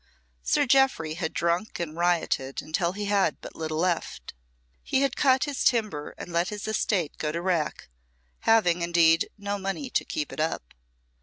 Sir Jeoffry had drunk and rioted until he had but little left. He had cut his timber and let his estate go to rack, having, indeed, no money to keep it up.